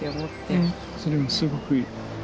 それはすごくいい。